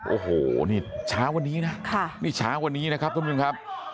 โอ้โหนี่เช้าวันนี้นะนี่เช้าวันนี้นะครับท่านผู้ชมครับ